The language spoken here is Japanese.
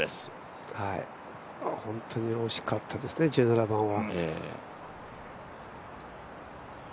本当に惜しかったですね、１７番は。